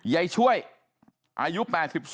ยายช่วยอายุ๘๒